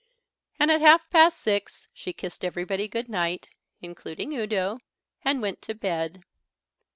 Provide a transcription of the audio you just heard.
And at half past six she kissed everybody good night (including Udo) and went to bed.